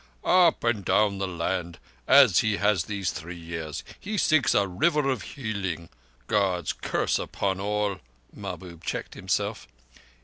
"Up and down the land, as he has these three years. He seeks a River of Healing. God's curse upon all—" Mahbub checked himself.